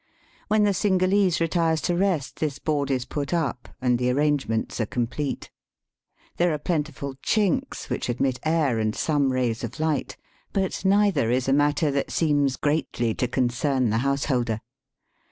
When the Cingalese retires to rest this board is put up, and the arrangements are complete. There are plentiful chinks which admit air and some rays of light ; but neither is a matter that seems greatly to concern the house holder.